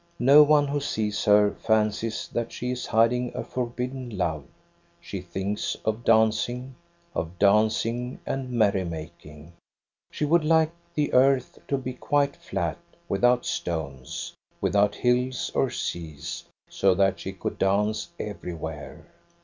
No one who sees her fancies that she is hiding a forbidden love. She thinks of dancing, — of dancing and merrymaking.^ She would like the earth to be quite flat, without stones, without hills or seas, so that she could dance everywhere.